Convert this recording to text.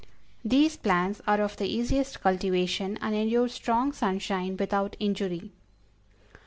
These plants are of the easiest cultivation, and endure strong sunshine without injury.